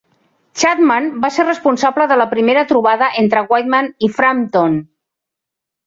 Chapman va ser responsable de la primera trobada entre Wyman i Frampton.